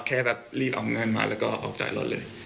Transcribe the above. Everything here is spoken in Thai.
แค่แบบรีบเอาเงินมาแล้วก็ออกจ่ายรถเลย